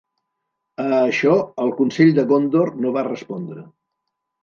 A això, el Consell de Gondor no va respondre.